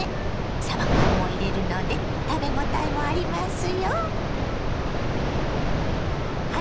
さば缶も入れるので食べごたえもありますよ。